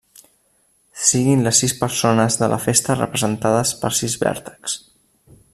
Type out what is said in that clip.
Siguin les sis persones de la festa representades per sis vèrtexs.